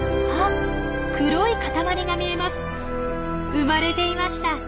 生まれていました！